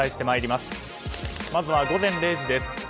まずは、午前０時です。